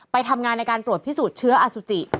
ไปทำงานในการตรวจพิสูจน์เชื้ออสุจิ